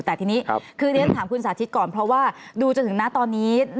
แต่ทีนี้คือเรียนถามคุณสาธิตก่อนเพราะว่าดูจนถึงณตอนนี้